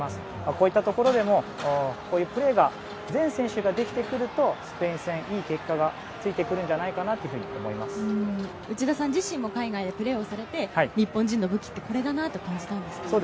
ああいったところでもこういうプレーが全選手できてくるとスペイン戦、いい結果がついてくるんじゃないかと内田さん自身も海外でプレーをされて日本人の武器ってこれだなって感じましたか？